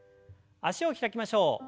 脚を開きましょう。